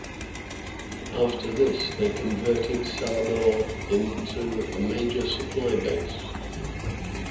After this they converted Salamaua into a major supply base.